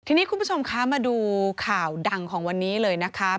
ทีนี้คุณผู้ชมคะมาดูข่าวดังของวันนี้เลยนะคะ